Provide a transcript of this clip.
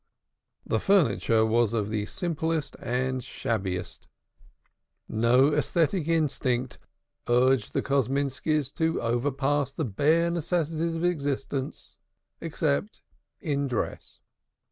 The furniture was of the simplest and shabbiest, no aesthetic instinct urged the Kosminskis to overpass the bare necessities of existence, except in dress.